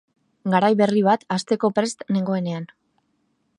Garai berri bat hasteko prest nengoenean.